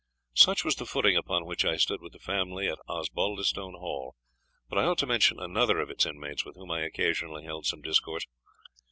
Such was the footing upon which I stood with the family at Osbaldistone Hall; but I ought to mention another of its inmates with whom I occasionally held some discourse.